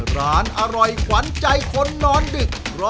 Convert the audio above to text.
ร้านอร่อยขวัญใจคนนอนดึก